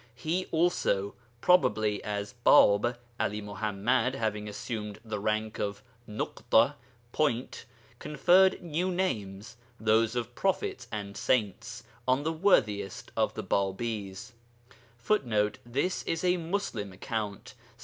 He also (probably as Bāb, 'Ali Muḥammad having assumed the rank of Nuḳṭa, Point) conferred new names (those of prophets and saints) on the worthiest of the Bābīs, [Footnote: This is a Muslim account.